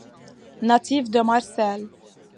Natif de Marseille.